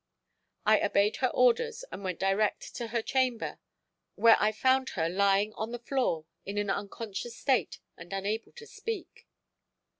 I obeyed her orders and went direct to her chamber, where I found her lying on the floor in an unconscious state and unable to speak.